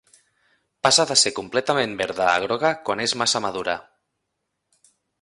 Passa de ser completament verda a groga quan és massa madura.